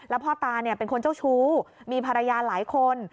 พ่อตาเป็นคนเจ้าชู้มีภรรยาหลายคน